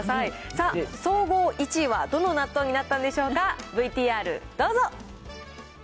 さあ、総合１位はどの納豆になったんでしょうか、ＶＴＲどうぞ。